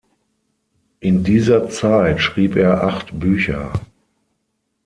In dieser Zeit schrieb er acht Bücher.